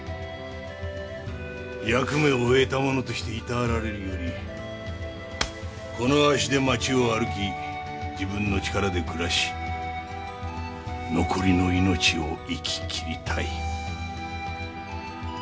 役目を終えた者として労られるよりこの足で町を歩き自分の力で暮らし残りの命を生ききりたい。